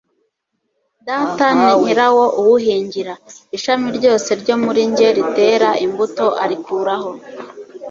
«Data ni nyirawo uwuhingira, ishami ryose ryo muri njye ritera imbuto arikuraho."